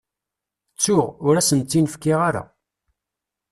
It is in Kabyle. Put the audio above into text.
Ttuɣ, ur asen-tt-in-fkiɣ ara.